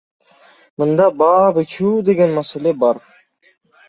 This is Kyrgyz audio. Мында баа бычуу деген маселе бар.